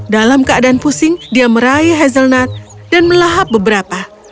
dalam keadaan pusing dia meraih hazelnut dan melahap beberapa